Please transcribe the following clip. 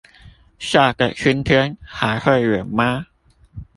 下個春天還會遠嗎